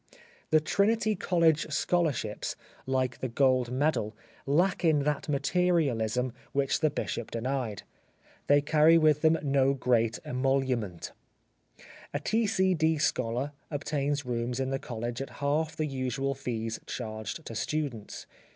The Trinity College Scholarships, like the Gold Medal, lack in that materialism which the Bishop denied. They carry with them no great 120 The Life of Oscar Wilde emolument. A T.C.D. scholar obtains rooms in college at half the usual fees charged to students.